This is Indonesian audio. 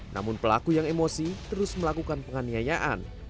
namun pelaku yang emosi terus melakukan penganiayaan